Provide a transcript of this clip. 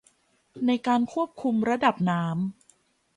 ในการควบคุมระดับน้ำ